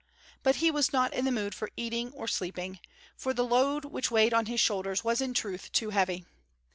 But he was not in the mood for eating or sleeping, for the load which weighed on his shoulders was in truth too heavy.